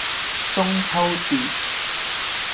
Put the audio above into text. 中秋節